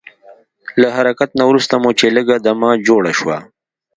له حرکت نه وروسته مو چې لږ دمه جوړه شوه.